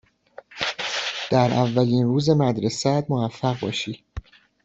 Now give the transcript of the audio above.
در اولین روز مدرسه ات موفق باشی.